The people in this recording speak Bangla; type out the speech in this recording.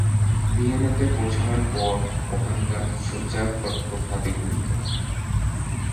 ভিয়েনাতে পৌঁছানোর পর ওখানকার সোচারতর্ত খাবে কিন্তু!